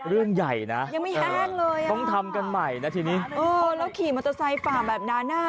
เรื่องใหญ่นะยังไม่แห้งเลยต้องทำกันใหม่นะทีนี้เออแล้วขี่มอเตอร์ไซค์ฝ่าแบบนั้นอ่ะ